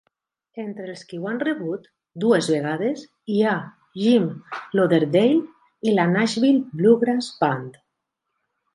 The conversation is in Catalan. Entre els qui ho han rebut dues vegades hi ha Jim Lauderdale i la Nashville Bluegrass Band.